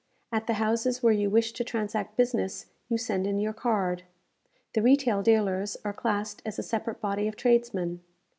At the houses where you wish to transact business, you send in your card. The retail dealers are classed as a separate body of tradesmen.